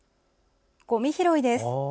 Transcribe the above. ごみ拾いです。